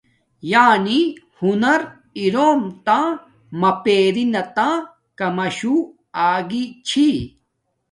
۔یانی ہنز اروم تہ ما پریناتہ کاماشوہ آگی چھی۔